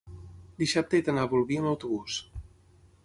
dissabte he d'anar a Bolvir amb autobús.